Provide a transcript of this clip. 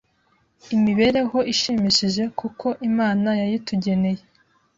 imibereho ishimishije kuko Imana yayitugeneye.